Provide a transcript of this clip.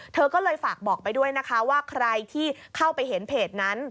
เธอก็เลยฝากบอกไปด้วยนะคะว่าใครที่เข้าไปเห็นเพจนั้น